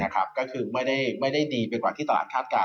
ก็คือไม่ได้ดีไปกว่าที่ตลาดคาดการณ